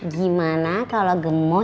gimana kalau gemo